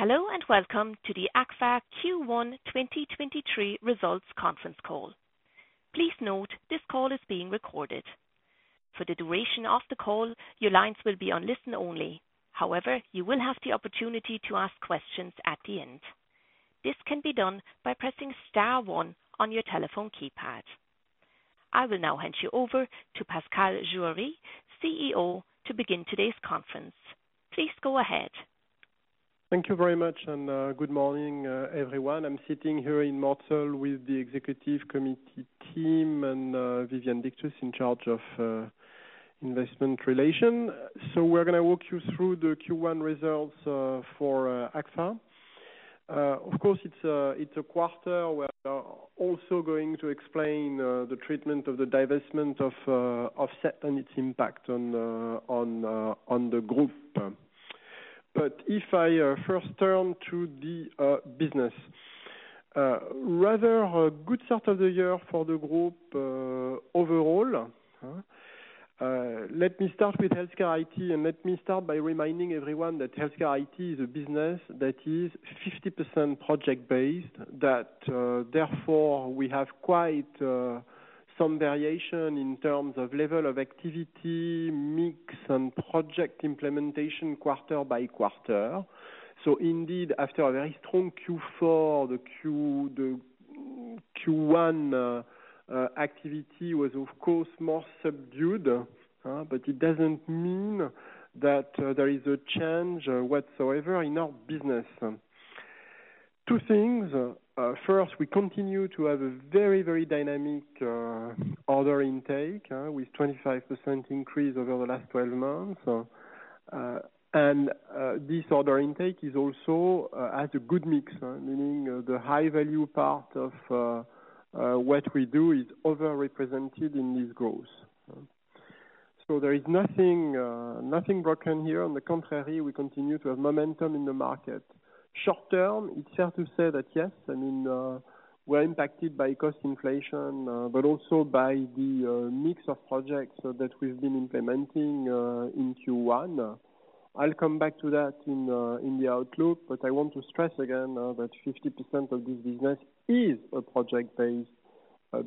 Hello, welcome to the Agfa-Gevaert Q1 2023 results conference call. Please note this call is being recorded. For the duration of the call, your lines will be on listen only. However, you will have the opportunity to ask questions at the end. This can be done by pressing star one on your telephone keypad. I will now hand you over to Pascal Juéry, CEO, to begin today's conference. Please go ahead. Thank you very much. Good morning, everyone. I'm sitting here in Mortsel with the executive committee team and Viviane Dictus in charge of investment relation. We're gonna walk you through the Q1 results for Agfa. Of course, it's a quarter. We're also going to explain the treatment of the divestment of Offset and its impact on the group. If I first turn to the business, rather a good start of the year for the group overall. Let me start with HealthCare IT. Let me start by reminding everyone that HealthCare IT is a business that is 50% project-based, that therefore, we have quite some variation in terms of level of activity, mix, and project implementation quarter by quarter. Indeed, after a very strong Q4, the Q1 activity was of course more subdued, but it doesn't mean that there is a change whatsoever in our business. Two things. First, we continue to have a very, very dynamic order intake with 25% increase over the last 12 months. This order intake is also has a good mix, meaning the high-value part of what we do is over-represented in this growth. There is nothing broken here. On the contrary, we continue to have momentum in the market. Short term, it's fair to say that yes, I mean, we're impacted by cost inflation, but also by the mix of projects so that we've been implementing in Q1. I'll come back to that in the outlook, but I want to stress again that 50% of this business is a project-based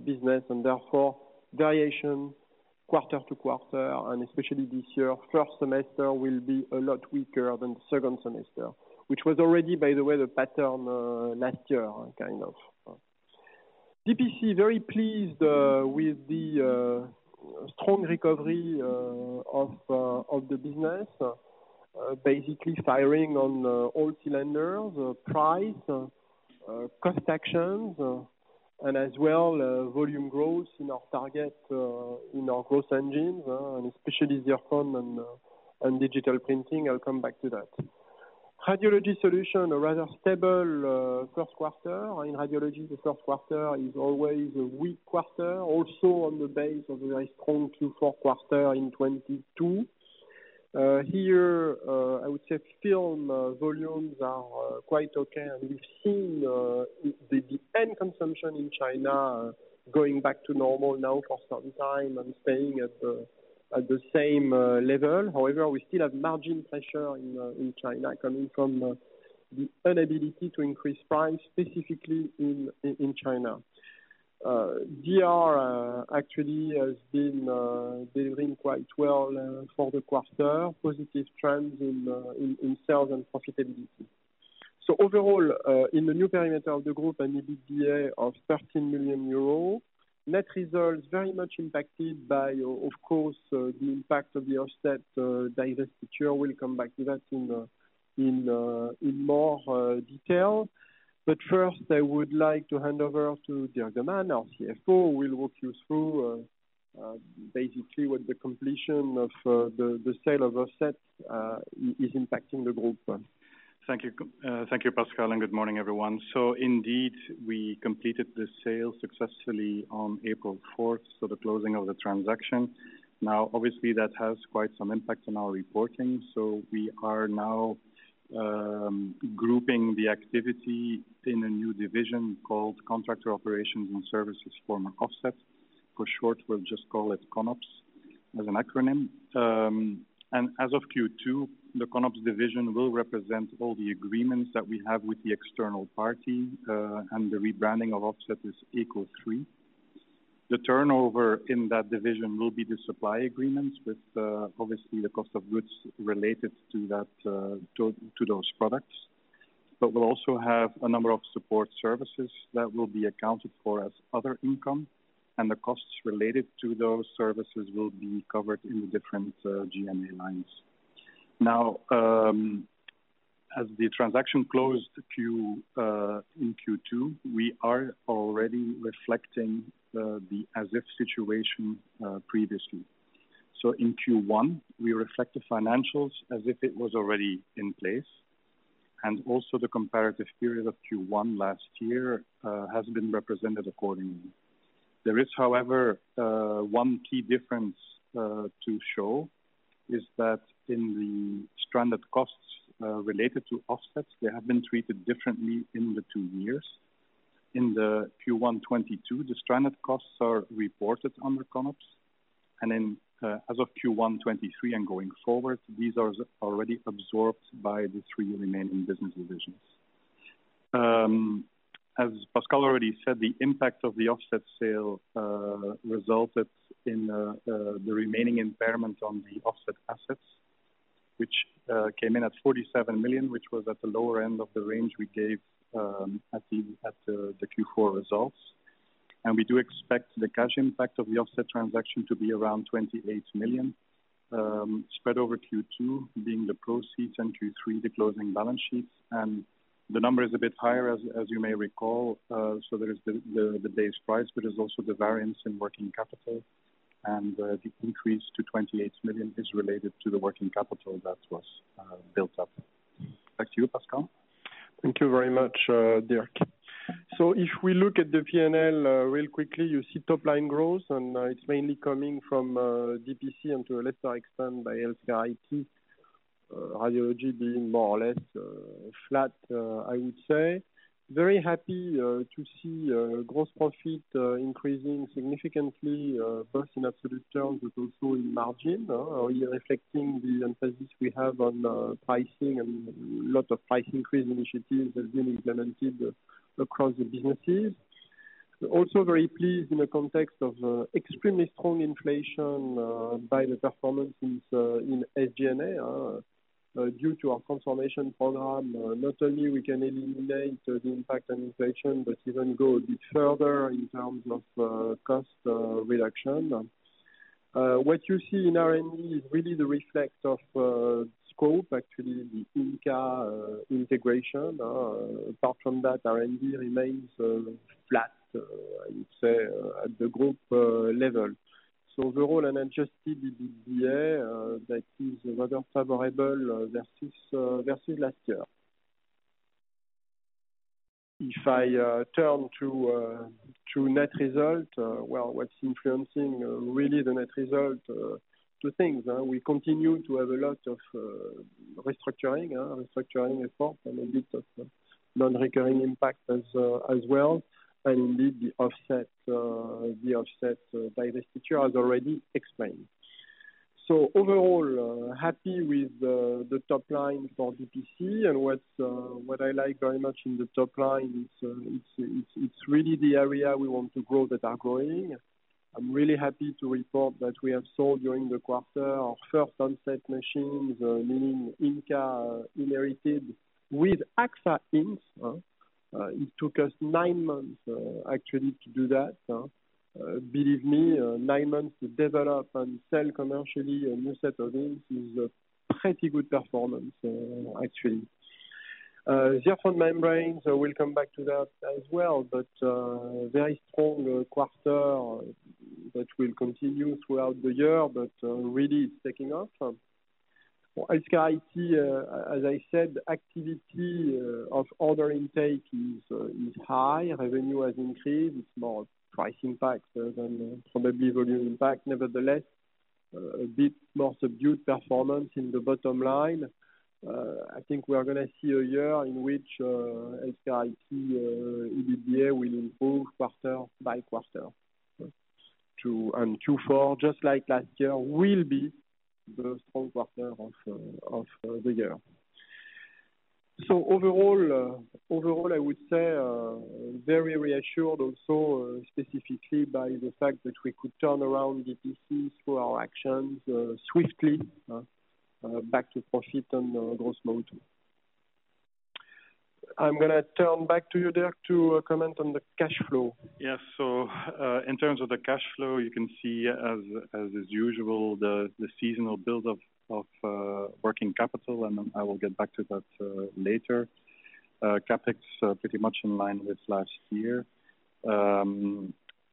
business, and therefore, variation quarter to quarter, and especially this year, first semester will be a lot weaker than the second semester, which was already, by the way, the pattern last year, kind of. DPC, very pleased with the strong recovery of the business, basically firing on all cylinders, price, cost actions, and as well, volume growth in our targets, in our growth engines, and especially Zirfon and digital printing. I'll come back to that. Radiology Solutions, a rather stable first quarter. In radiology, the first quarter is always a weak quarter. On the base of a very strong Q4 quarter in 2022. Here, I would say film volumes are quite okay. We've seen the end consumption in China going back to normal now for some time and staying at the, at the same level. However, we still have margin pressure in China coming from the inability to increase price, specifically in China. DR actually has been delivering quite well for the quarter, positive trends in sales and profitability. Overall, in the new perimeter of the group and EBITDA of 13 million euros, net results very much impacted by, of course, the impact of the Offset divestiture. We'll come back to that in more detail. First, I would like to hand over to Dirk De Man, our CFO, who will walk you through, basically with the completion of the sale of Offset, is impacting the group. Thank you. Thank you, Pascal, and good morning, everyone. Indeed, we completed the sale successfully on April 4th, so the closing of the transaction. Obviously, that has quite some impact on our reporting. We are now grouping the activity in a new division called Contractor Operations and Services, former Offset. For short, we'll just call it CONOPS as an acronym. As of Q2, the CONOPS division will represent all the agreements that we have with the external party, and the rebranding of Offset is ECO3. The turnover in that division will be the supply agreements with obviously the cost of goods related to that, to those products. We'll also have a number of support services that will be accounted for as other income, and the costs related to those services will be covered in the different GMA lines. As the transaction closed to in Q2, we are already reflecting the as if situation previously. In Q1, we reflect the financials as if it was already in place. Also the comparative period of Q1 last year has been represented accordingly. There is, however, one key difference to show is that in the stranded costs related to offsets, they have been treated differently in the two years. In the Q1 2022, the stranded costs are reported under CONOPS, and then, as of Q1 2023 and going forward, these are already absorbed by the three remaining business divisions. As Pascal already said, the impact of the offset sale resulted in the remaining impairment on the offset assets, which came in at 47 million, which was at the lower end of the range we gave at the Q4 results. We do expect the cash impact of the offset transaction to be around 28 million, spread over Q2, being the proceeds, and Q3, the closing balance sheets. The number is a bit higher as you may recall. There is the base price, but there's also the variance in working capital, and the increase to 28 million is related to the working capital that was built up. Back to you, Pascal. Thank you very much, Dirk. If we look at the P&L real quickly, you see top line growth, and it's mainly coming from DPC, and to a lesser extent by HealthCare IT, radiology being more or less flat, I would say. Very happy to see gross profit increasing significantly, both in absolute terms, but also in margin. Really reflecting the emphasis we have on pricing and lot of price increase initiatives has been implemented across the businesses. Also very pleased in the context of extremely strong inflation by the performances in SG&A due to our transformation program. Not only we can eliminate the impact on inflation, but even go a bit further in terms of cost reduction. What you see in R&D is really the reflect of scope, actually the Inca integration. Apart from that, R&D remains flat, I would say, at the group level. Overall an adjusted EBITDA that is rather favorable versus last year. If I turn to net result, well, what's influencing really the net result, two things. We continue to have a lot of restructuring effort and a bit of non-recurring impact as well, and indeed the offset by the structure as already explained. Overall, happy with the top line for DPC and what I like very much in the top line is it's really the area we want to grow that are growing. I'm really happy to report that we have sold during the quarter our first Onset machines, meaning Inca inherited with Agfa inks, it took us nine months actually to do that. Believe me, nine months to develop and sell commercially a new set of inks is a pretty good performance actually. Zirfon membranes, I will come back to that as well, but very strong quarter that will continue throughout the year, but really it's taking off. For HealthCare IT, as I said, activity of order intake is high. Revenue has increased. It's more price impact than probably volume impact. Nevertheless, a bit more subdued performance in the bottom line. I think we are gonna see a year in which HealthCare IT EBITDA will improve quarter by quarter. To Q4, just like last year, will be the strong quarter of the year. Overall, I would say, very reassured also specifically by the fact that we could turn around DPC through our actions, swiftly, back to profit and gross margin. I'm gonna turn back to you, Dirk, to comment on the cash flow. Yes. In terms of the cash flow, you can see as is usual, the seasonal build of working capital, and then I will get back to that later. CapEx pretty much in line with last year.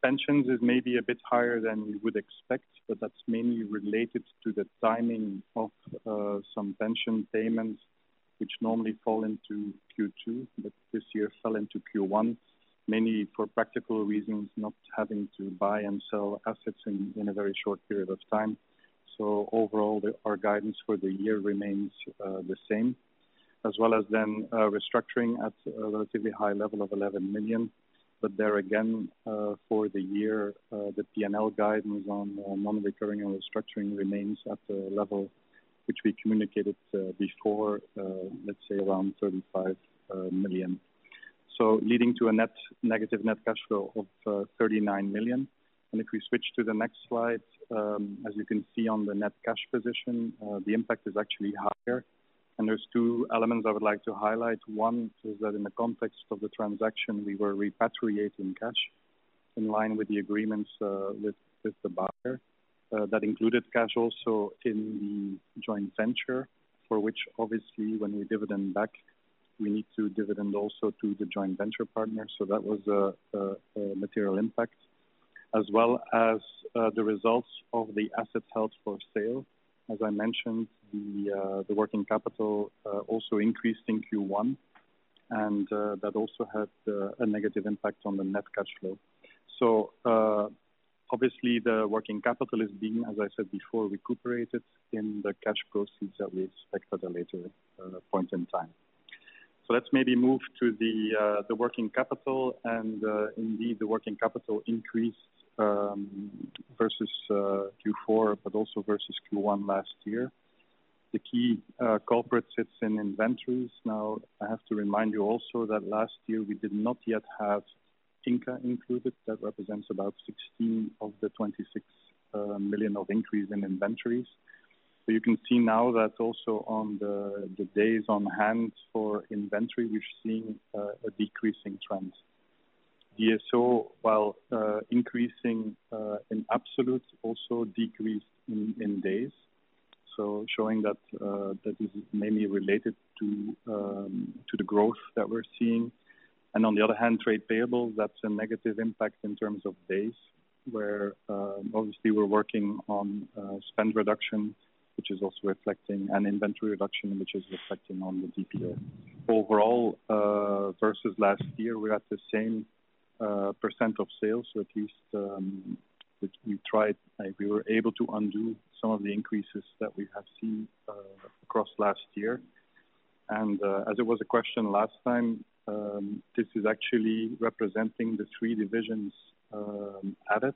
Pensions is maybe a bit higher than we would expect, but that's mainly related to the timing of some pension payments, which normally fall into Q2, but this year fell into Q1, mainly for practical reasons, not having to buy and sell assets in a very short period of time. Overall, our guidance for the year remains the same. As well as then, restructuring at a relatively high level of 11 million. There again, for the year, the P&L guidance on non-recurring and restructuring remains at the level which we communicated before, let's say around 35 million. Leading to a negative net cash flow of 39 million. If we switch to the next slide, as you can see on the net cash position, the impact is actually higher. There's two elements I would like to highlight. One is that in the context of the transaction, we were repatriating cash in line with the agreements with the buyer. That included cash also in the joint venture, for which obviously when we dividend back, we need to dividend also to the joint venture partner. That was a material impact. As well as the results of the assets held for sale. As I mentioned, the working capital also increased in Q1, and that also had a negative impact on the net cash flow. Obviously, the working capital is being, as I said before, recuperated in the cash proceeds that we expect at a later point in time. Let's maybe move to the working capital and indeed, the working capital increased versus Q4, but also versus Q1 last year. The key culprit sits in inventories. Now, I have to remind you also that last year we did not yet have Inca included. That represents about 16 million of the 26 million of increase in inventories. You can see now that also on the days on hand for inventory, we're seeing a decreasing trend. DSO, while increasing in absolutes, also decreased in days, showing that that is mainly related to the growth that we're seeing. On the other hand, trade payables, that's a negative impact in terms of days where obviously we're working on spend reduction, which is also reflecting an inventory reduction, which is reflecting on the DPO. Overall, versus last year, we're at the same % of sales. At least, we were able to undo some of the increases that we have seen across last year. As it was a question last time, this is actually representing the three divisions added.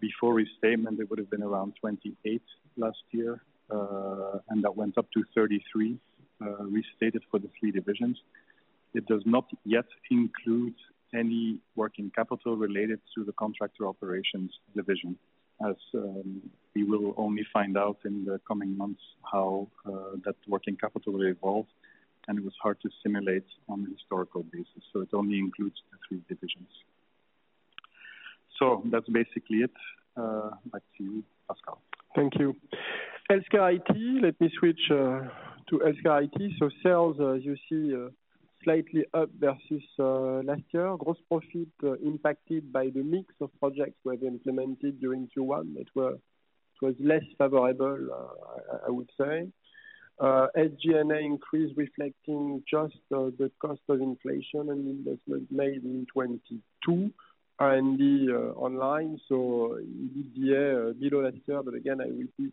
Before restatement, it would have been around 28% last year, and that went up to 33% restated for the three divisions. It does not yet include any working capital related to the Contractor Operations division, as we will only find out in the coming months how that working capital evolved, and it was hard to simulate on a historical basis. It only includes the three divisions. That's basically it. Back to you, Pascal. Thank you. HealthCare IT. Let me switch to HealthCare IT. Sales, as you see, slightly up versus last year. Gross profit impacted by the mix of projects we have implemented during Q1. It was less favorable, I would say. SG&A increased, reflecting just the cost of inflation and investment made in 2022. R&D online. EBITDA below last year, but again, I repeat,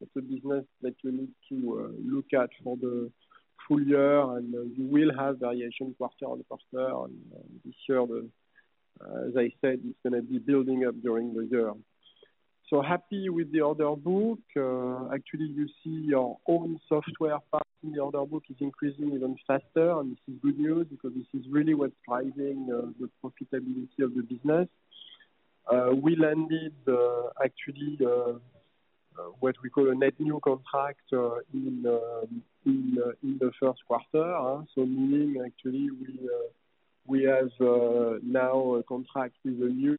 it's a business that you need to look at for the full year, and you will have variation quarter on quarter. This year, as I said, it's gonna be building up during the year. Happy with the order book. Actually, you see our own software part in the order book is increasing even faster. This is good news because this is really what's driving the profitability of the business. We landed actually what we call a net new contract in the first quarter. Meaning actually we have now a contract with a new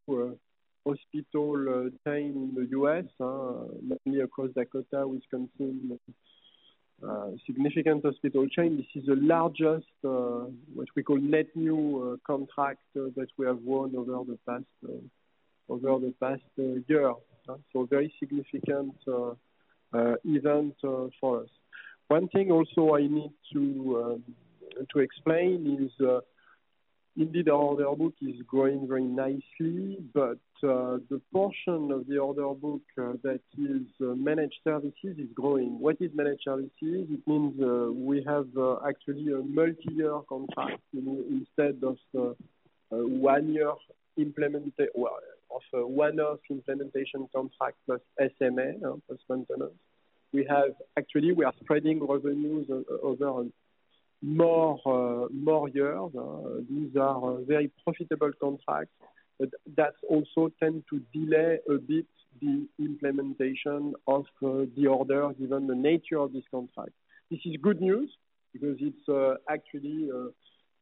hospital chain in the U.S., mainly across Dakota, Wisconsin, significant hospital chain. This is the largest what we call net new contract that we have won over the past year. Very significant event for us. One thing also I need to explain is indeed our order book is growing very nicely, but the portion of the order book that is managed services is growing. What is managed services? It means, we have actually a multi-year contract instead of a one-off implementation contract plus SMA, plus maintenance. Actually, we are spreading revenues over more years. These are very profitable contracts, but that also tend to delay a bit the implementation of the order, given the nature of this contract. This is good news because it's actually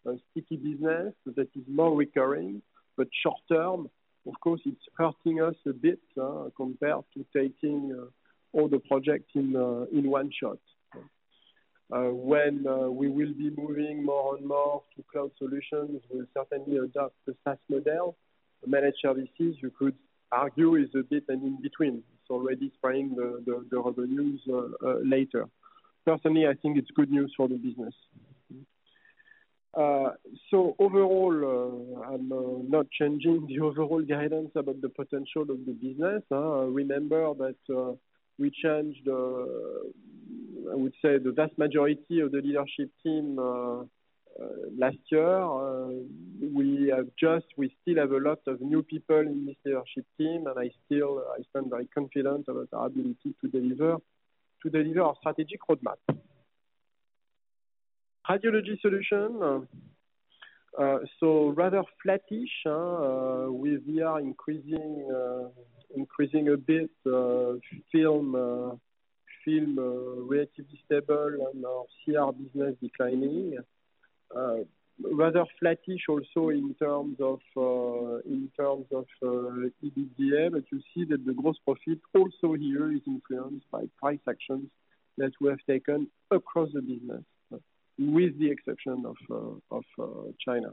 a sticky business that is more recurring, but short term, of course, it's hurting us a bit compared to taking all the projects in one shot. When we will be moving more and more to cloud solutions, we'll certainly adopt the SaaS model. Managed services, you could argue, is a bit in between. It's already spreading the revenues later. Personally, I think it's good news for the business. Overall, I'm not changing the overall guidance about the potential of the business. Remember that, we changed, I would say the vast majority of the leadership team, last year. We still have a lot of new people in this leadership team, and I sound very confident about our ability to deliver our strategic roadmap. Radiology Solutions. Rather flattish, with VR increasing a bit, film relatively stable, and our CR business declining. Rather flattish also in terms of EBITDA, but you see that the gross profit also here is influenced by price actions that we have taken across the business, with the exception of China.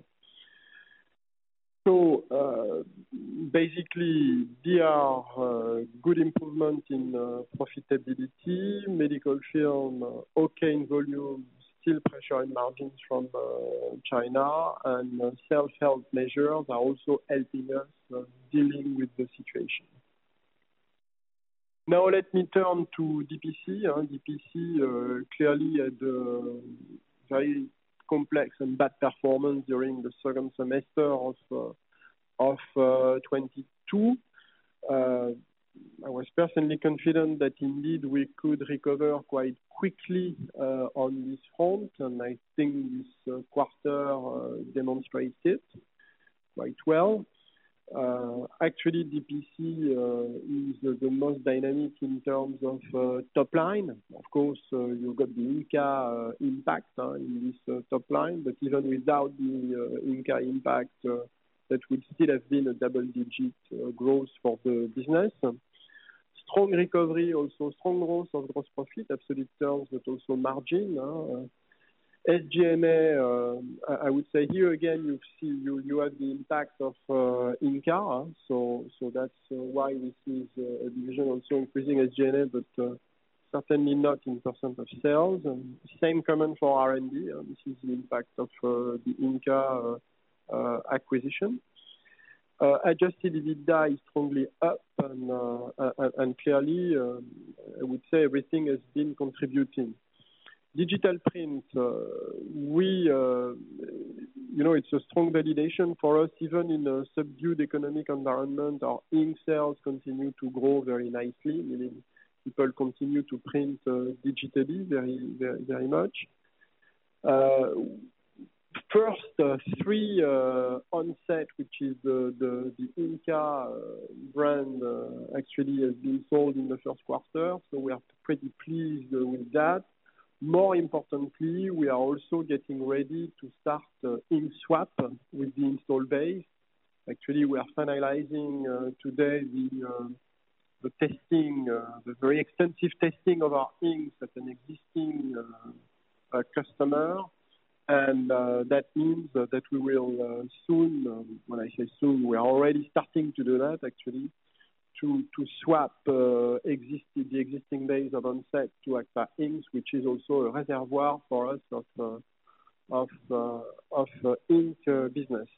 Basically, there are good improvement in profitability. Medical film, okay in volume, still pressure in margins from China. Self-help measures are also helping us dealing with the situation. Now let me turn to DPC. DPC clearly had a very complex and bad performance during the second semester of 2022. I was personally confident that indeed we could recover quite quickly on this front, and I think this quarter demonstrates it quite well. Actually, DPC is the most dynamic in terms of top line. Of course, you've got the Inca impact in this top line. Even without the Inca impact, that would still have been a double-digit growth for the business. Strong recovery, also strong growth of gross profit, absolute terms, but also margin. SG&A, I would say here again, you see you have the impact of Inca. So that's why we see a division also increasing SG&A, but certainly not in percent of sales. Same comment for R&D. This is the impact of the Inca acquisition. Adjusted EBITDA is strongly up and clearly, I would say everything has been contributing. Digital print, we, you know, it's a strong validation for us even in a subdued economic environment. Our ink sales continue to grow very nicely, meaning people continue to print digitally very, very, very much. First, 3 Onset, which is the Inca brand, actually has been sold in the first quarter, so we are pretty pleased with that. More importantly, we are also getting ready to start the ink swap with the install base. Actually, we are finalizing today the testing, the very extensive testing of our inks at an existing customer. That means that we will soon, when I say soon, we are already starting to do that actually, to swap the existing base of Onset to Actua inks, which is also a reservoir for us of ink business.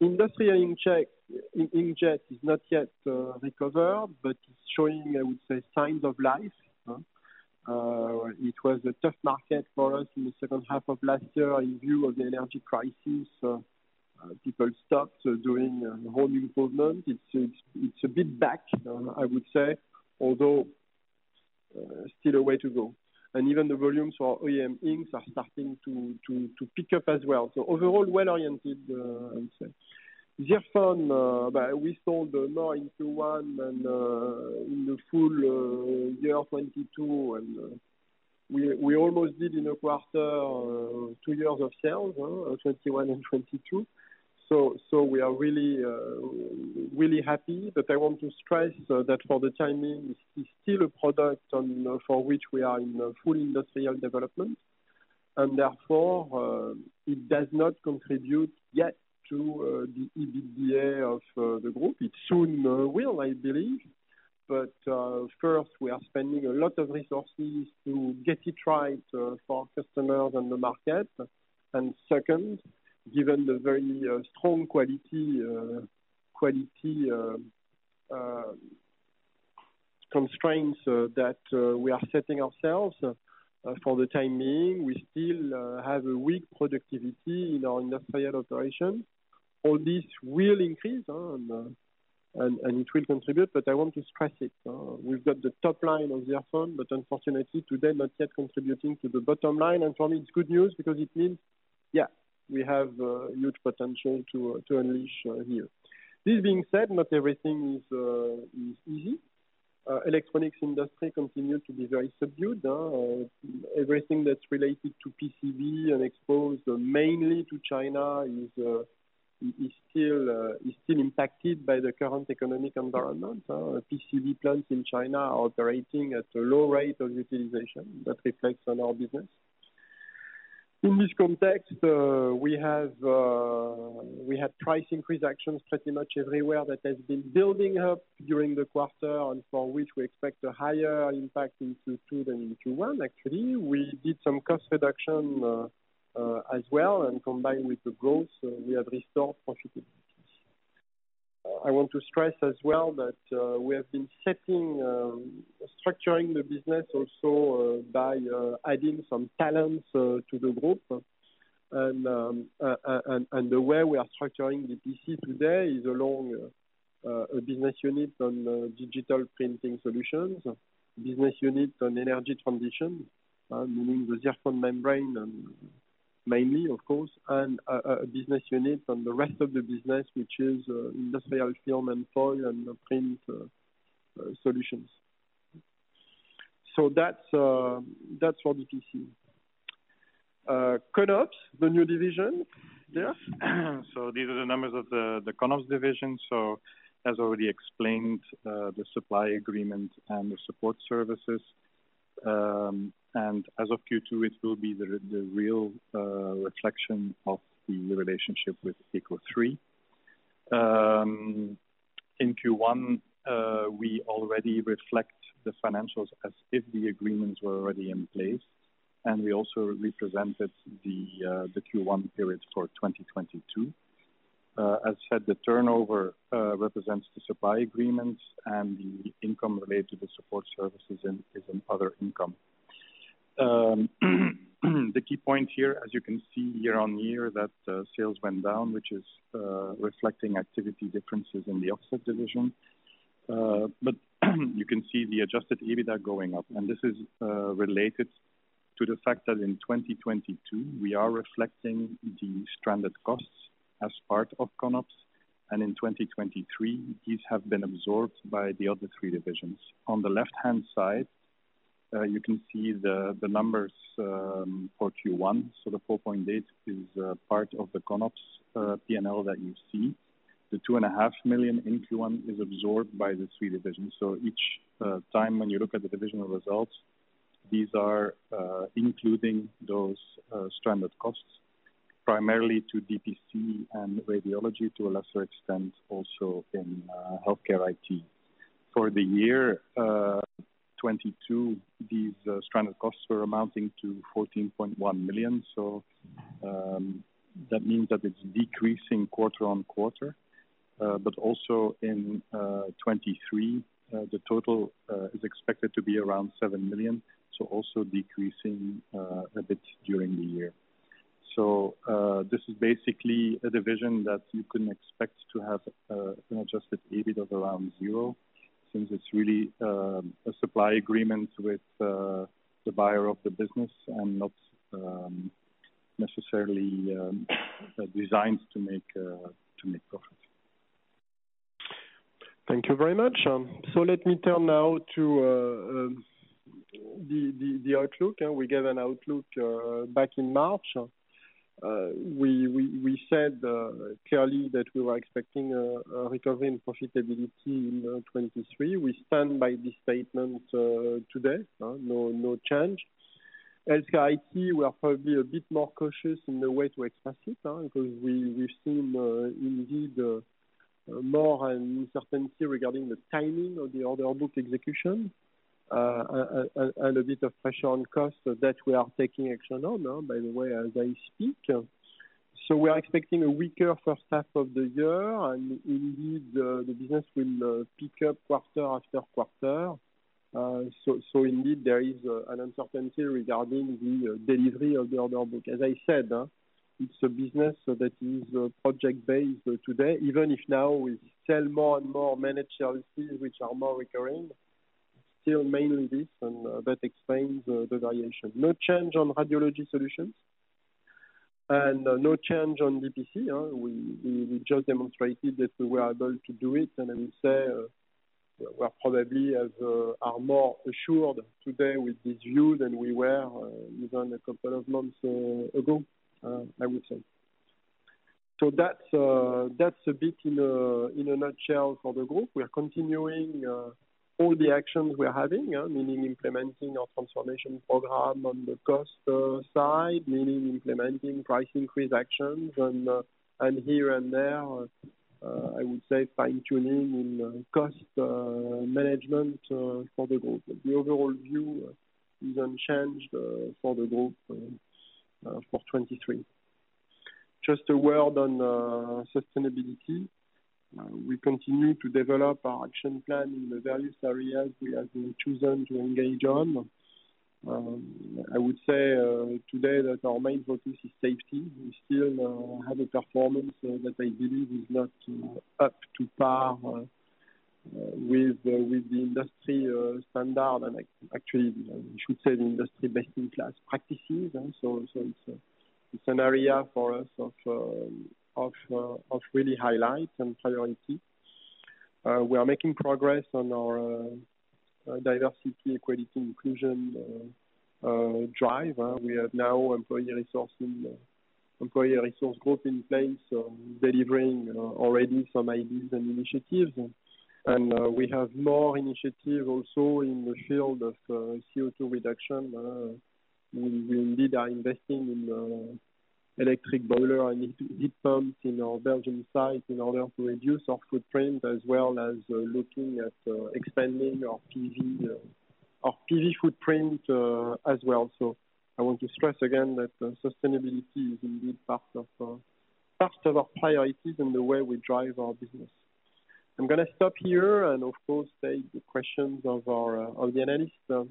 Industrial inkjet is not yet recovered, but it's showing, I would say, signs of life. It was a tough market for us in the second half of last year in view of the energy crisis. People stopped doing home improvement. It's a bit back, I would say, although still a way to go. Even the volumes for OEM inks are starting to pick up as well. Overall well-oriented, I would say. Zirfon, we sold more in Q1 than in the full year 2022. We almost did in a quarter two years of sales, 2021 and 2022. We are really happy. I want to stress that for the time being, it's still a product for which we are in a full industrial development, and therefore, it does not contribute yet to the EBITDA of the group. It soon will, I believe. First, we are spending a lot of resources to get it right for customers and the market. Second, given the very strong quality constraints that we are setting ourselves for the time being, we still have a weak productivity in our industrial operation. All this will increase, and it will contribute, but I want to stress it. We've got the top line of the Zirfon, but unfortunately, today, not yet contributing to the bottom line. For me, it's good news because it means, yeah, we have a huge potential to unleash here. This being said, not everything is easy. Electronics industry continue to be very subdued. Everything that's related to PCB and exposed mainly to China is still impacted by the current economic environment. PCB plants in China are operating at a low rate of utilization that reflects on our business. In this context, we had price increase actions pretty much everywhere that has been building up during the quarter and for which we expect a higher impact in Q2 than in Q1. Actually, we did some cost reduction as well. Combined with the growth, we have restored profitability. I want to stress as well that we have been setting, structuring the business also, by adding some talents to the group. The way we are structuring DPC today is along a business unit on digital printing solutions, business unit on energy transition, meaning the Zirfon membrane and mainly of course, a business unit on the rest of the business, which is industrial film and foil and print solutions. CONOPS, the new division. Yes. These are the numbers of the CONOPS division. As already explained, the supply agreement and the support services. As of Q2, it will be the real reflection of the relationship with ECO3. In Q1, we already reflect the financials as if the agreements were already in place, and we also represented the Q1 period for 2022. As said, the turnover represents the supply agreements and the income related to the support services and is in other income. The key point here, as you can see year-over-year, that sales went down, which is reflecting activity differences in the Offset Solutions. You can see the adjusted EBITA going up, and this is related to the fact that in 2022 we are reflecting the stranded costs as part of CONOPS. In 2023, these have been absorbed by the other three divisions. On the left-hand side, you can see the numbers for Q1. The 4.8 million is part of the CONOPS P&L that you see. The 2.5 million in Q1 is absorbed by the three divisions. Each time when you look at the divisional results, these are including those stranded costs, primarily to DPC and Radiology, to a lesser extent also in HealthCare IT. For the year 2022, these stranded costs were amounting to 14.1 million. That means that it's decreasing quarter-on-quarter. But also in 2023, the total is expected to be around 7 million, also decreasing a bit during the year. This is basically a division that you can expect to have an adjusted EBIT of around 0 since it's really a supply agreement with the buyer of the business and not necessarily designed to make profit. Thank you very much. Let me turn now to the outlook. We gave an outlook back in March. We said clearly that we were expecting a recovery in profitability in 2023. We stand by this statement today. No change. HealthCare IT, we are probably a bit more cautious in the way to express it because we've seen indeed more uncertainty regarding the timing of the order book execution. And a bit of pressure on costs so that we are taking action on by the way, as I speak. We are expecting a weaker first half of the year and indeed the business will pick up quarter after quarter. Indeed there is an uncertainty regarding the delivery of the order book. As I said, it's a business, so that is project based today. Even if now we sell more and more managed services which are more recurring, still mainly this and that explains the variation. No change on Radiology Solutions and no change on DPC. We just demonstrated that we are able to do it, and I will say, we are probably as are more assured today with this view than we were even a couple of months ago, I would say. That's a bit in a nutshell for the group. We are continuing all the actions we are having, meaning implementing our transformation program on the cost side, meaning implementing price increase actions and here and there, I would say fine-tuning in cost management for the group. The overall view is unchanged for the group for 2023. Just a word on sustainability. We continue to develop our action plan in the various areas we have chosen to engage on. I would say today that our main focus is safety. We still have a performance that I believe is not up to par with the industry standard. Actually, I should say the industry best in class practices. So it's an area for us of really highlight and priority. We are making progress on our diversity, equity, inclusion drive. We have now employee resourcing, employee resource group in place, delivering already some ideas and initiatives. We have more initiatives also in the field of CO2 reduction. We indeed are investing in electric boiler and heat pumps in our Belgian site in order to reduce our footprint, as well as looking at expanding our PV footprint as well. I want to stress again that sustainability is indeed part of our priorities and the way we drive our business. I'm gonna stop here and of course take the questions of our of the analysts.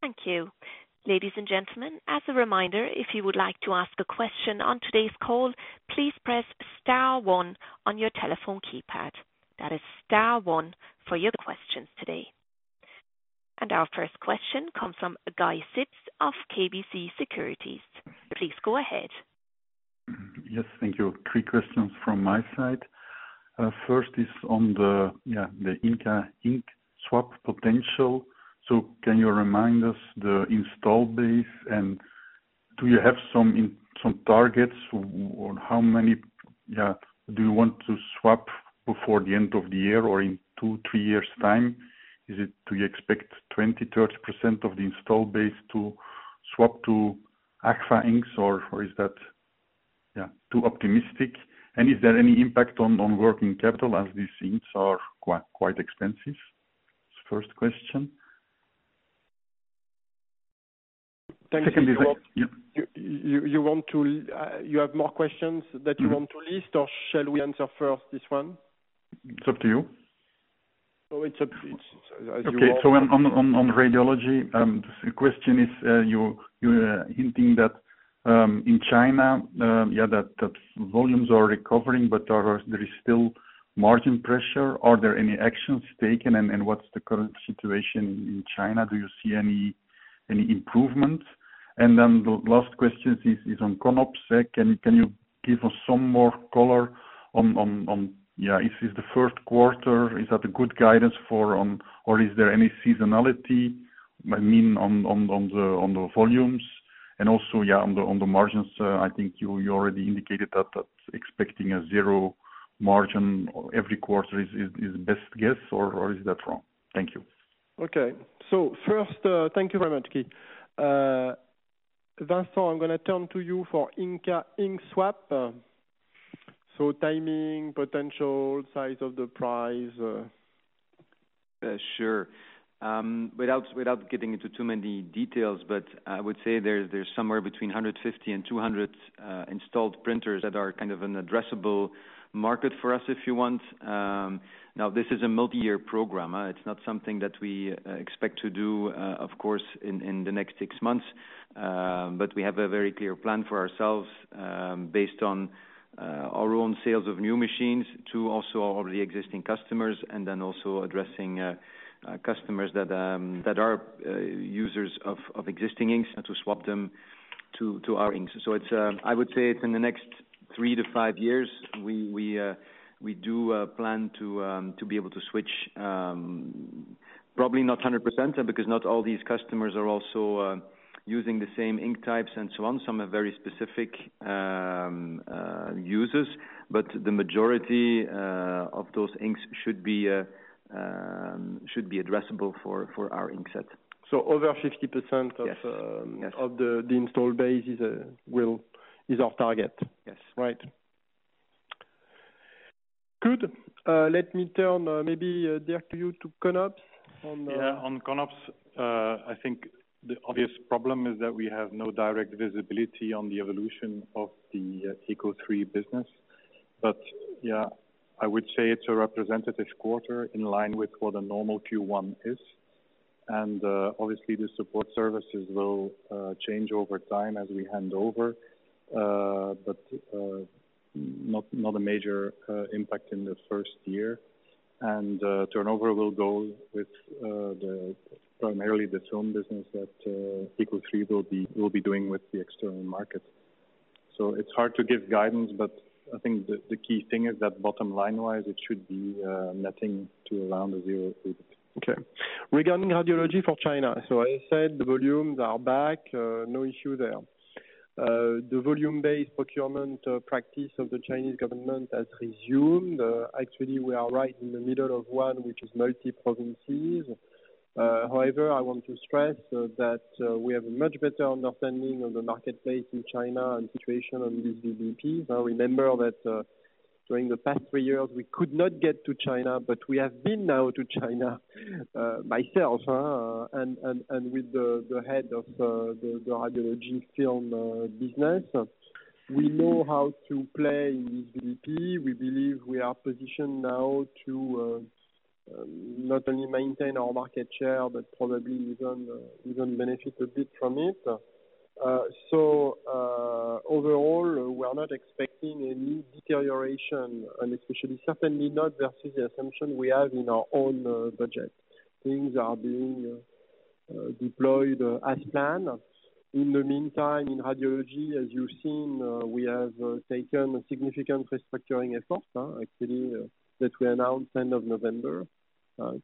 Thank you. Ladies and gentlemen, as a reminder, if you would like to ask a question on today's call, please press star one on your telephone keypad. That is star one for your questions today. Our first question comes from Guy Sips of KBC Securities. Please go ahead. Yes, thank you. three questions from my side. First is on the, yeah, the Inca ink swap potential. Can you remind us the install base, and do you have some targets or how many, yeah, do you want to swap before the end of the year or in two, three years' time? Do you expect 20%, 30% of the install base to swap to Agfa inks, or is that, yeah, too optimistic? Is there any impact on working capital as these inks are quite expensive? It's the first question. Thank you. You have more questions that you want to list, or shall we answer first this one? It's up to you. Oh, it's as you want. Okay. On radiology, the question is, you're hinting that in China, that volumes are recovering, but there is still margin pressure. Are there any actions taken, and what's the current situation in China? Do you see any improvement? The last question is on CONOPS. Can you give us some more color on, is this the first quarter? Is that a good guidance for or is there any seasonality? I mean, on the volumes and also on the margins, I think you already indicated that expecting a zero margin every quarter is best guess, or is that wrong? Thank you. Okay. First, thank you very much, Guy. Vincent, I'm gonna turn to you for ink swap. Timing, potential size of the price. Sure. Without getting into too many details, I would say there's somewhere between 150 and 200 installed printers that are kind of an addressable market for us, if you want. Now this is a multi-year program. It's not something that we expect to do, of course, in the next 6 months. We have a very clear plan for ourselves, based on our own sales of new machines to also our already existing customers, then also addressing customers that are users of existing inks, and to swap them to our inks. It's, I would say it's in the next 3 to 5 years, we do plan to be able to switch, probably not 100%, because not all these customers are also using the same ink types and so on. Some are very specific users, but the majority of those inks should be addressable for our ink sets. Over 50% Yes. Of the installed base is off target? Yes. Right. Good. Let me turn, maybe, Dirk to you to CONOPS on. Yeah, on CONOPS, I think the obvious problem is that we have no direct visibility on the evolution of the ECO3 business. Yeah, I would say it's a representative quarter in line with what a normal Q1 is. Obviously the support services will change over time as we hand over. Not a major impact in the first year. Turnover will go with the primarily the same business that ECO3 will be doing with the external market. It's hard to give guidance, but I think the key thing is that bottom line wise, it should be nothing to around a zero. Okay. Regarding radiology for China. I said the volumes are back, no issue there. The volume-based procurement practice of the Chinese government has resumed. Actually, we are right in the middle of one which is multi-provinces. However, I want to stress that we have a much better understanding of the marketplace in China and situation on this VBP. Remember that during the past 3 years we could not get to China, but we have been now to China, myself, and with the head of the Radiology film business. We know how to play in this VBP. We believe we are positioned now to not only maintain our market share, but probably even benefit a bit from it. Overall, we are not expecting any deterioration, and especially certainly not versus the assumption we have in our own budget. Things are being deployed as planned. In the meantime, in radiology, as you've seen, we have taken a significant restructuring effort, actually, that we announced end of November,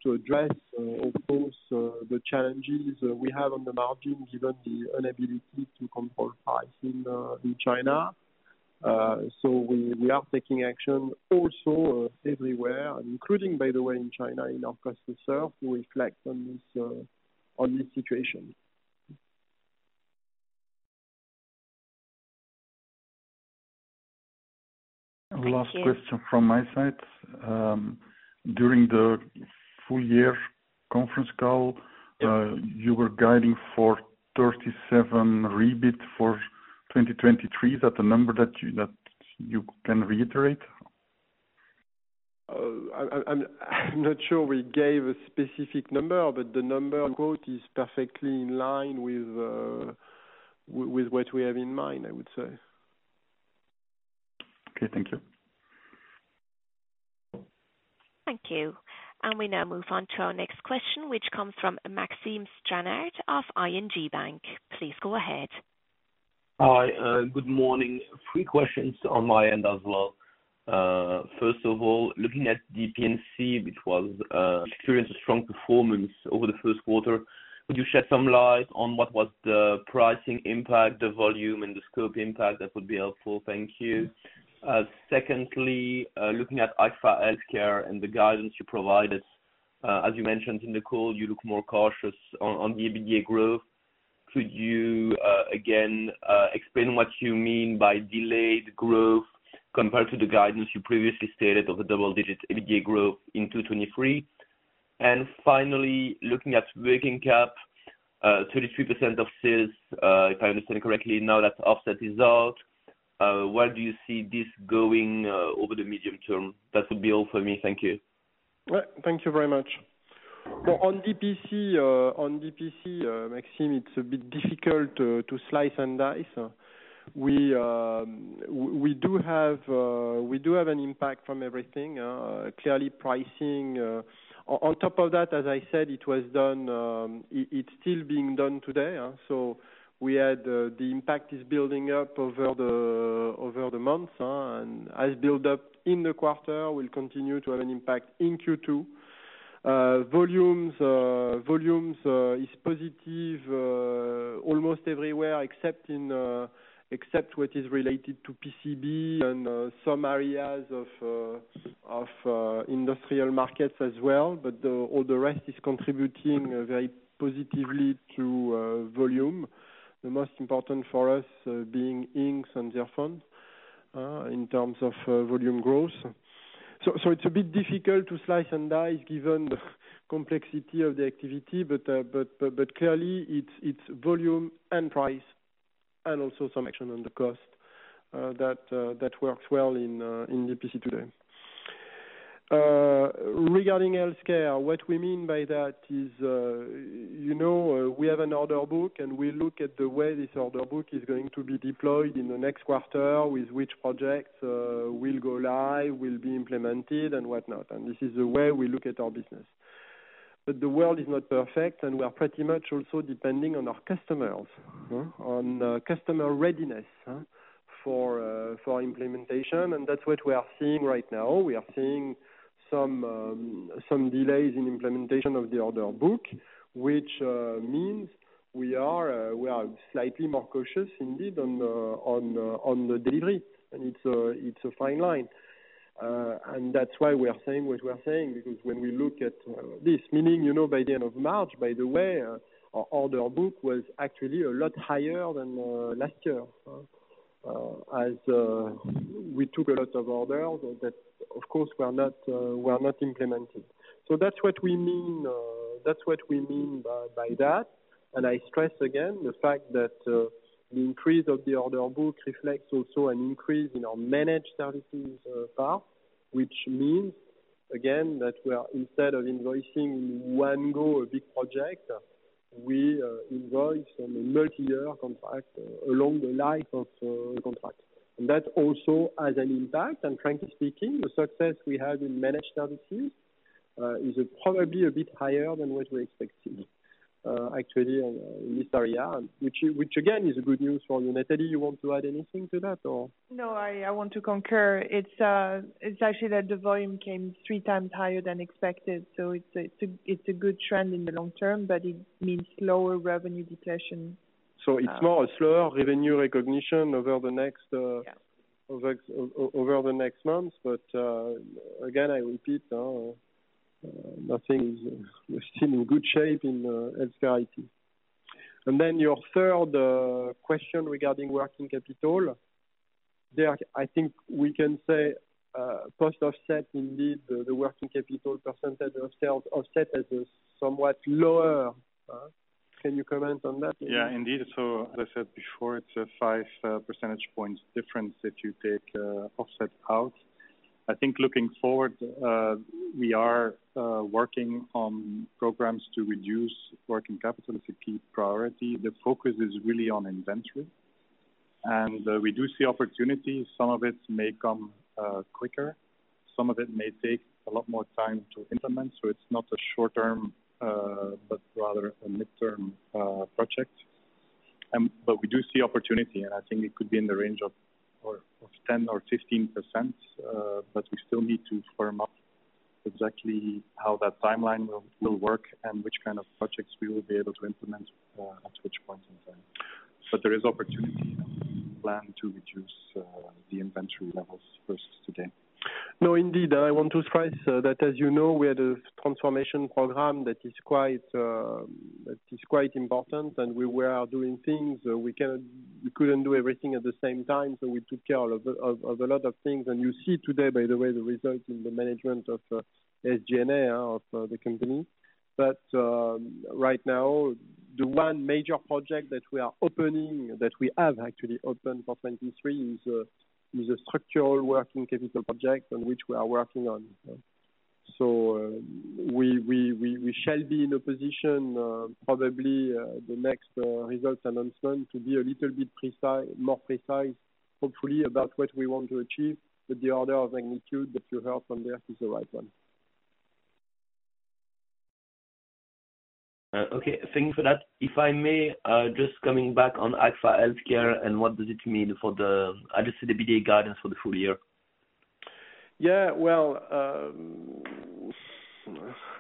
to address, of course, the challenges we have on the margins, given the inability to control price in China. We are taking action also everywhere, including by the way, in China, in our cost to serve, to reflect on this, on this situation. Last question from my side. During the full year conference call. Yep. You were guiding for 37 EBIT for 2023. Is that the number that you can reiterate? I'm not sure we gave a specific number, but the number you quote is perfectly in line with what we have in mind, I would say. Okay, thank you. Thank you. We now move on to our next question, which comes from Maxime Stranart of ING Bank. Please go ahead. Hi, good morning. Three questions on my end as well. First of all, looking at DPC, which experienced a strong performance over the first quarter. Could you shed some light on what was the pricing impact, the volume, and the scope impact? That would be helpful. Thank you. Secondly, looking at Agfa HealthCare and the guidance you provided, as you mentioned in the call, you look more cautious on the EBITDA growth. Could you Again, explain what you mean by delayed growth compared to the guidance you previously stated of the double-digit ADA growth in 2023. Finally, looking at working cap, 33% of sales, if I understand correctly, now that offset is out, where do you see this going, over the medium term? That will be all for me. Thank you. Right. Thank you very much. Well, on DPC, Maxim, it's a bit difficult to slice and dice. We do have an impact from everything, clearly pricing. On top of that, as I said, it was done, it's still being done today. we had, the impact is building up over the months, and as built up in the quarter, will continue to have an impact in Q2. Volumes is positive almost everywhere except in what is related to PCB and some areas of industrial markets as well. all the rest is contributing very positively to volume. The most important for us, being inks and Anapurna, in terms of volume growth. It's a bit difficult to slice and dice given the complexity of the activity. Clearly it's volume and price and also some action on the cost that works well in the DPC today. Regarding healthcare, what we mean by that is, you know, we have an order book, and we look at the way this order book is going to be deployed in the next quarter, with which projects will go live, will be implemented and whatnot. This is the way we look at our business. The world is not perfect, and we are pretty much also depending on our customers, on customer readiness for implementation. That's what we are seeing right now. We are seeing some delays in implementation of the order book, which means we are slightly more cautious indeed on the delivery. It's a fine line. That's why we are saying what we are saying. When we look at this, meaning, you know, by the end of March, by the way, our order book was actually a lot higher than last year, as we took a lot of orders that of course were not implemented. That's what we mean, that's what we mean by that. I stress again the fact that, the increase of the order book reflects also an increase in our managed services, part, which means again that we are instead of invoicing in one go a big project, we, invoice on a multi-year contract along the line of contract. That also has an impact. Frankly speaking, the success we had in managed services, is probably a bit higher than what we expected, actually in this area, which again is good news for Unetele. You want to add anything to that or? I want to concur. It's actually that the volume came three times higher than expected. It's a good trend in the long term, but it means lower revenue depletion. It's more a slower revenue recognition over the next. Yeah. Over the next months. Again, I repeat, We're still in good shape in HealthCare IT. Your third question regarding working capital. There I think we can say, post offset indeed, the working capital % of sales offset is somewhat lower, can you comment on that maybe? Yeah, indeed. As I said before, it's a 5 percentage points difference if you take Offset out. I think looking forward, we are working on programs to reduce working capital is a key priority. The focus is really on inventory, and we do see opportunities. Some of it may come quicker, some of it may take a lot more time to implement. It's not a short term, but rather a midterm project. We do see opportunity, and I think it could be in the range of 10% or 15%, but we still need to firm up exactly how that timeline will work and which kind of projects we will be able to implement at which point in time. There is opportunity plan to reduce the inventory levels first again. No, indeed. I want to stress that as you know, we had a transformation program that is quite, that is quite important. We were doing things, we couldn't do everything at the same time. We took care of a lot of things. You see today, by the way, the result in the management of SG&A of the company. Right now the one major project that we are opening, that we have actually opened for 2023 is a structural working capital project on which we are working on. We shall be in a position, probably the next results announcement to be a little bit precise, more precise, hopefully about what we want to achieve. The order of magnitude that you heard from there is the right one. Okay. Thank you for that. If I may, just coming back on Agfa HealthCare. I just see the BD guidance for the full year. Well,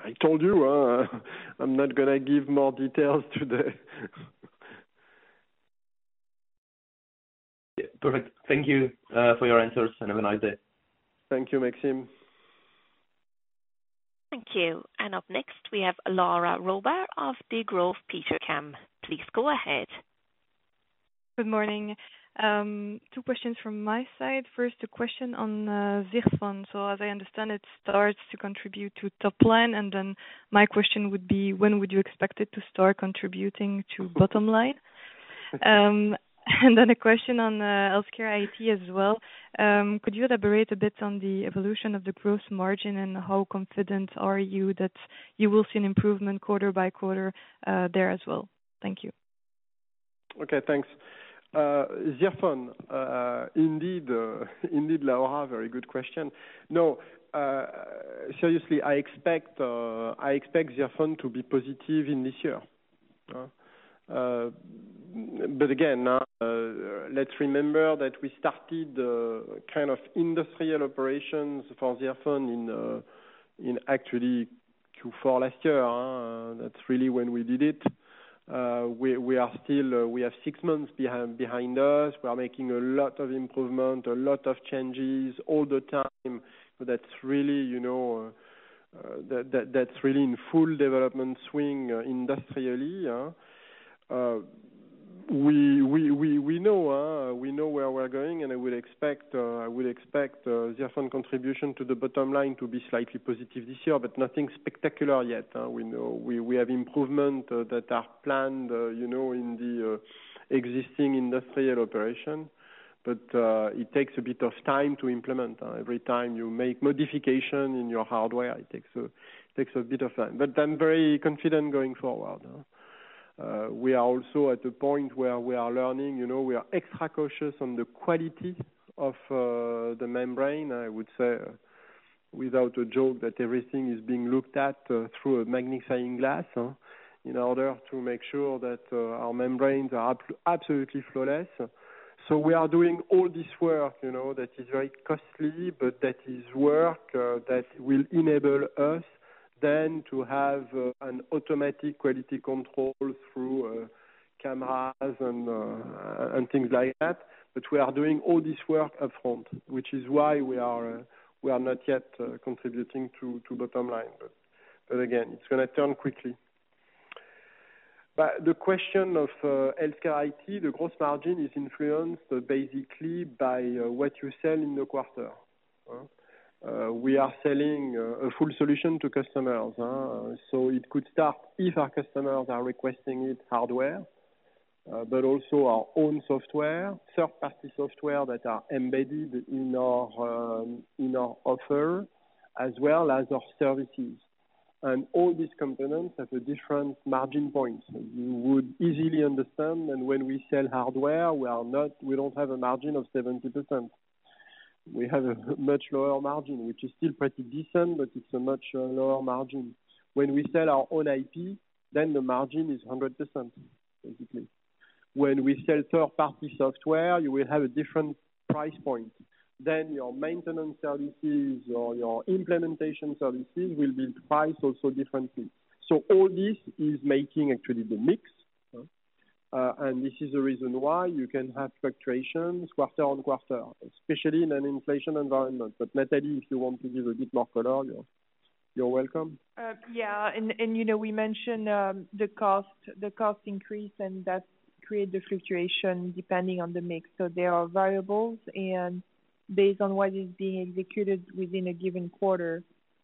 I told you, I'm not gonna give more details today. Yeah. Perfect. Thank you for your answers, and have a nice day. Thank you, Maxim. Thank you. Up next, we have Laura Roba of Degroof Petercam. Please go ahead. Good morning. Two questions from my side. First, a question on Zirfon. As I understand, it starts to contribute to top line, my question would be, when would you expect it to start contributing to bottom line? A question on HealthCare IT as well. Could you elaborate a bit on the evolution of the growth margin and how confident are you that you will see an improvement quarter by quarter there as well? Thank you. Okay, thanks. Zirfon, indeed, Laura, very good question. No, seriously, I expect Zirfon to be positive in this year. Again, let's remember that we started kinda industrial operations for Zirfon in actually Q4 last year, that's really when we did it. We are still, we have 6 months behind us. We are making a lot of improvement, a lot of changes all the time. That's really, you know, that's really in full development swing industrially. We know where we're going, and I will expect Zirfon contribution to the bottom line to be slightly positive this year, but nothing spectacular yet. We know we have improvement, that are planned, you know, in the existing industrial operation, but it takes a bit of time to implement. Every time you make modification in your hardware, it takes a bit of time. I'm very confident going forward. we are also at a point where we are learning, you know, we are extra cautious on the quality of the membrane. I would say without a joke that everything is being looked at through a magnifying glass, in order to make sure that our membranes are absolutely flawless. we are doing all this work, you know, that is very costly, but that is work, that will enable us then to have an automatic quality control through cameras and things like that. We are doing all this work up front, which is why we are not yet, contributing to bottom line. Again, it's gonna turn quickly. The question of, HealthCare IT, the gross margin is influenced basically by what you sell in the quarter. We are selling a full solution to customers, so it could start if our customers are requesting it hardware, but also our own software, third-party software that are embedded in our, in our offer, as well as our services. And all these components have a different margin points. You would easily understand that when we sell hardware, we don't have a margin of 70%. We have a much lower margin, which is still pretty decent, but it's a much lower margin. When we sell our own IP, then the margin is 100%, basically. When we sell third-party software, you will have a different price point. Your maintenance services or your implementation services will be priced also differently. All this is making actually the mix, and this is the reason why you can have fluctuations quarter-on-quarter, especially in an inflation environment. Nathalie, if you want to give a bit more color, you're welcome. Yeah. You know, we mentioned, the cost increase, that create the fluctuation depending on the mix. There are variables, based on what is being executed within a given quarter,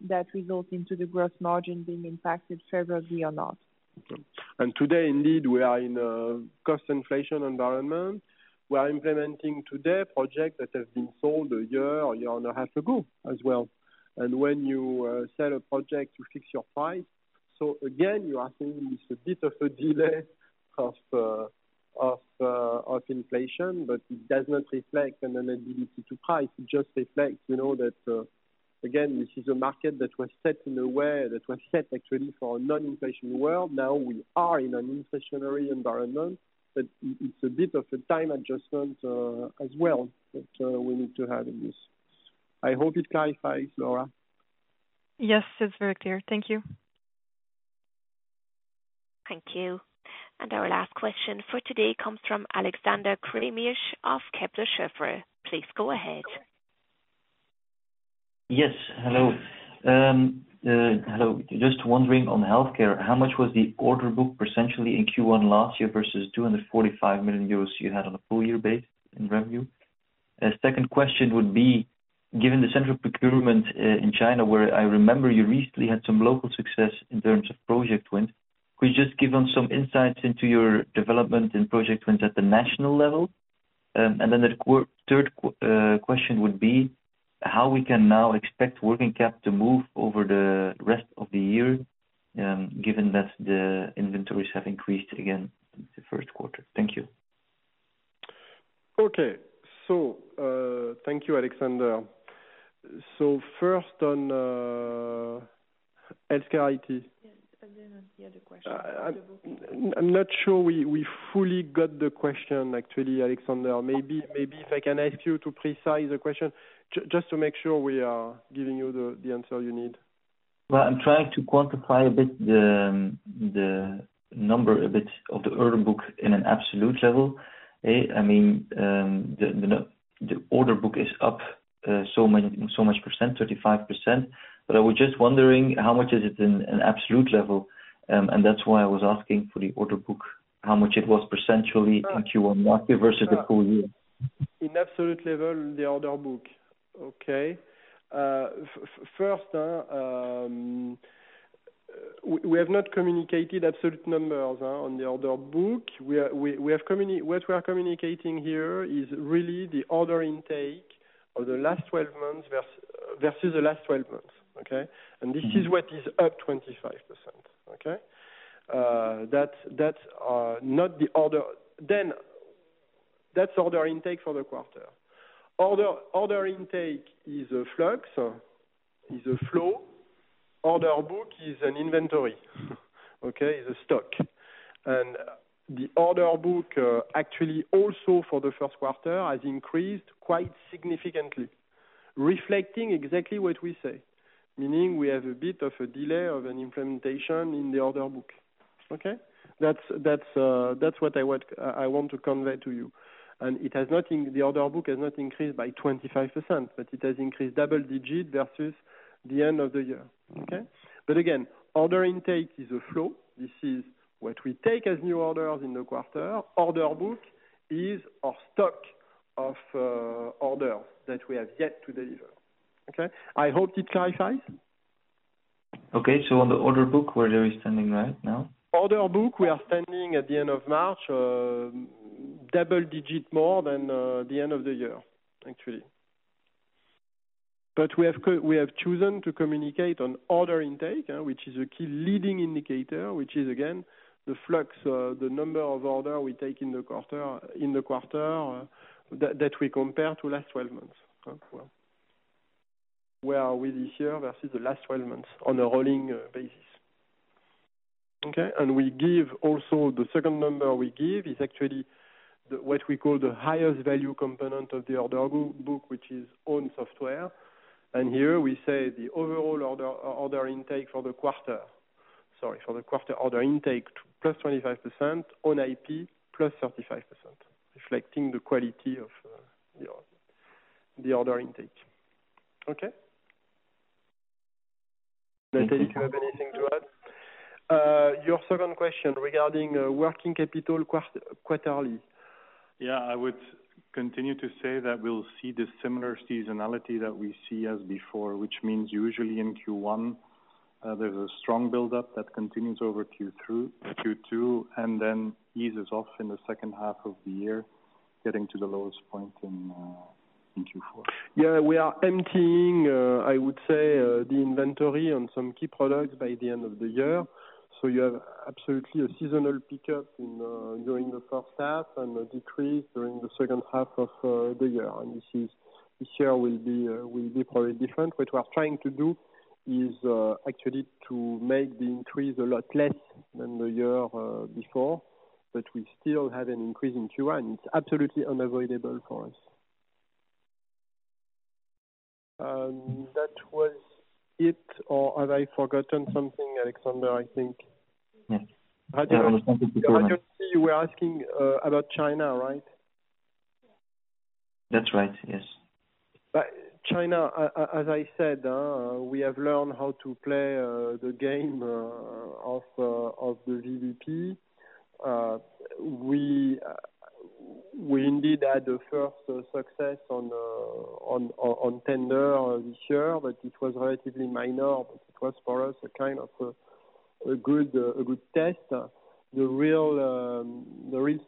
that results into the gross margin being impacted favorably or not. Today, indeed, we are in a cost inflation environment. We are implementing today projects that have been sold a year or a year and a half ago as well. When you sell a project, you fix your price. Again, you are saying it's a bit of a delay of inflation, but it does not reflect an inability to price. It just reflects, you know, that again, this is a market that was set in a way that was set actually for a non-inflation world. Now we are in an inflationary environment, but it's a bit of a time adjustment as well that we need to have in this. I hope it clarifies, Laura. Yes, it's very clear. Thank you. Thank you. Our last question for today comes from Alexander Craeymeersch of Kepler Cheuvreux. Please go ahead. Hello. Just wondering on healthcare, how much was the order book percentually in Q1 last year versus 245 million euros you had on a full year base in revenue? Second question would be, given the central procurement in China, where I remember you recently had some local success in terms of project wins, could you just give us some insights into your development in project wins at the national level? Then the third question would be how we can now expect working cap to move over the rest of the year, given that the inventories have increased again in the first quarter. Thank you. Thank you, Alexander. First on, HealthCare IT. Yes. The other question. I'm not sure we fully got the question actually, Alexander. Maybe if I can ask you to precise the question just to make sure we are giving you the answer you need. Well, I'm trying to quantify a bit the number of the order book in an absolute level. I mean, the order book is up so much percent, 35%. I was just wondering how much is it in an absolute level? That's why I was asking for the order book, how much it was percentually in Q1 versus the full year. In absolute level, the order book. Okay. first, we have not communicated absolute numbers on the order book. What we are communicating here is really the order intake of the last 12 months versus the last 12 months. Okay? Mm-hmm. This is what is up 25%. Okay? That's order intake for the quarter. Order intake is a flux, is a flow. Order book is an inventory, okay, is a stock. The order book, actually also for the first quarter has increased quite significantly, reflecting exactly what we say. Meaning we have a bit of a delay of an implementation in the order book. Okay? That's what I would I want to convey to you. The order book has not increased by 25%, but it has increased double digit versus the end of the year. Okay? Again, order intake is a flow. This is what we take as new orders in the quarter. Order book is our stock of orders that we have yet to deliver. Okay? I hope it clarifies. Okay. On the order book, where you are standing right now? Order book, we are standing at the end of March, double-digit more than the end of the year, actually. We have chosen to communicate on order intake, which is a key leading indicator, which is again, the flux, the number of order we take in the quarter, in the quarter that we compare to last 12 months. Where are we this year versus the last 12 months on a rolling basis? Okay? We give also, the second number we give is actually the, what we call the highest value component of the order book, which is own software. Here we say the overall order intake for the quarter, sorry, for the quarter order intake +25%, own IP +35%, reflecting the quality of the order intake. Okay? Nathalie, do you have anything to add? your second question regarding working capital quarterly. Yeah, I would continue to say that we'll see the similar seasonality that we see as before, which means usually in Q1, there's a strong buildup that continues over Q2 through Q2, and then eases off in the second half of the year, getting to the lowest point in Q4. Yeah. We are emptying, I would say, the inventory on some key products by the end of the year. You have absolutely a seasonal pickup in during the first half and a decrease during the second half of the year. This is, this year will be probably different. What we are trying to do is actually to make the increase a lot less than the year before, but we still have an increase in Q1. It's absolutely unavoidable for us. That was it or have I forgotten something, Alexander, I think? Yes. I understand. You were asking about China, right? That's right, yes. China, as I said, we have learned how to play the game of the VBP. We indeed had the first success on tender this year, but it was relatively minor. It was for us a kind of a good test. The real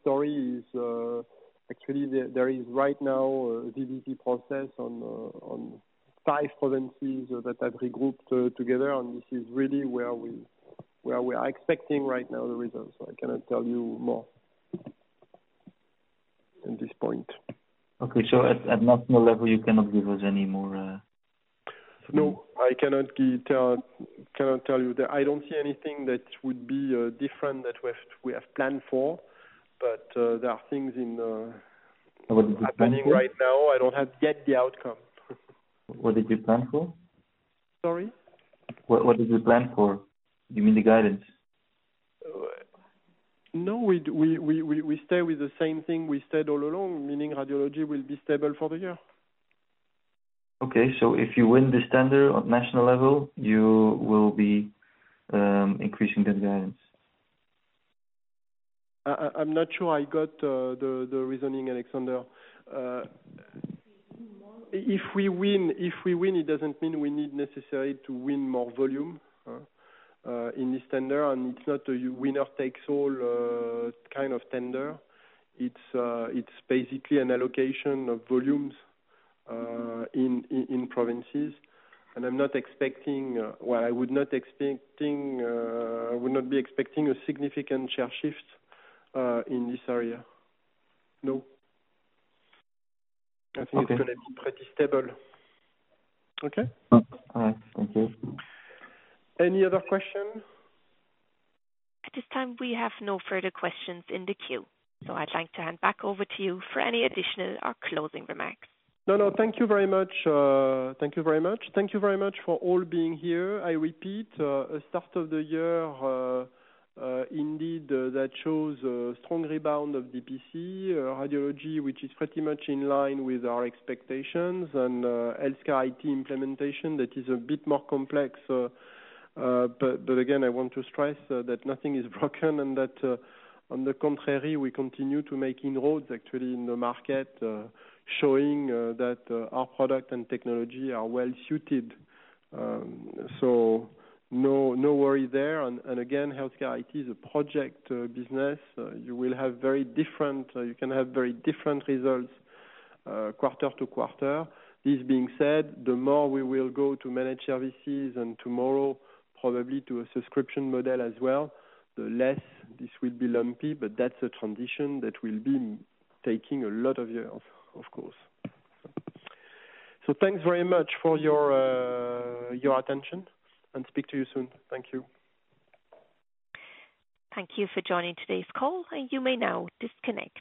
story is actually there is right now a VBP process on five provinces that have regrouped together, and this is really where we are expecting right now the results. I cannot tell you more at this point. Okay. At national level, you cannot give us any more? No, I cannot tell you. I don't see anything that would be different that we have planned for. There are things in. What is the plan for? Happening right now. I don't have yet the outcome. What did you plan for? Sorry? What did you plan for? You mean the guidance? No, we stay with the same thing we stayed all along, meaning radiology will be stable for the year. Okay. If you win this tender on national level, you will be increasing that guidance? I'm not sure I got the reasoning, Alexander. If we win, it doesn't mean we need necessary to win more volume in this tender, and it's not a winner takes all kind of tender. It's basically an allocation of volumes in provinces. I'm not expecting, well, I would not be expecting a significant share shift in this area. No. Okay. I think it's gonna be pretty stable. Okay? All right. Thank you. Any other question? At this time, we have no further questions in the queue. I'd like to hand back over to you for any additional or closing remarks. Thank you very much. Thank you very much. Thank you very much for all being here. I repeat, start of the year, indeed, that shows a strong rebound of DPC Radiology, which is pretty much in line with our expectations and HealthCare IT implementation that is a bit more complex. Again, I want to stress that nothing is broken and that, on the contrary, we continue to make inroads actually in the market, showing that our product and technology are well suited. No worry there. Again, HealthCare IT is a project business. You can have very different results quarter to quarter. This being said, the more we will go to managed services and tomorrow probably to a subscription model as well, the less this will be lumpy. That's a transition that will be taking a lot of years, of course. Thanks very much for your attention, and speak to you soon. Thank you. Thank you for joining today's call. You may now disconnect.